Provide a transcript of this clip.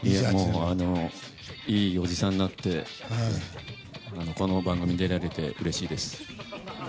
いいおじさんになってこの番組に出られてうれしいです。